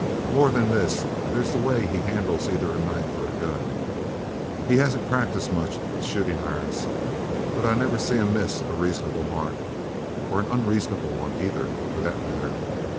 More than this there's the way he handles either a knife or a gun. He hasn't practiced much with shootin' irons, but I never seen him miss a reasonable mark or an unreasonable one either, for that matter.